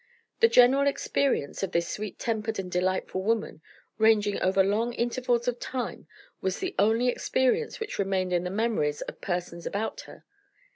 The general experience of this sweet tempered and delightful woman, ranging over long intervals of time, was the only experience which remained in the memories of the persons about her.